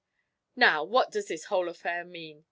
"Now, what does this whole affair mean?"